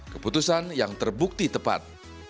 keputusan yang terbukti tepat